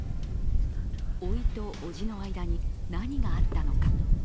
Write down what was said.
おいとおじの間に何があったのか。